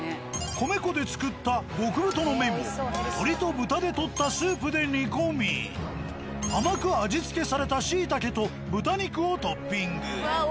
米粉で作った極太の麺を。で煮込み甘く味付けされた椎茸と豚肉をトッピング。